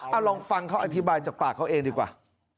เอาลองฟังเขาอธิบายจากปากเขาเองดีกว่า